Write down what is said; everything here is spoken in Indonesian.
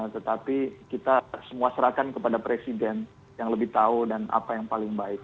tetapi kita semua serahkan kepada presiden yang lebih tahu dan apa yang paling baik